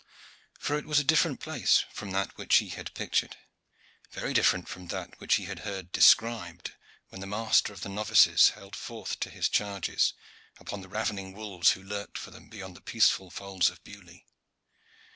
For it was a different place from that which he had pictured very different from that which he had heard described when the master of the novices held forth to his charges upon the ravening wolves who lurked for them beyond the peaceful folds of Beaulieu.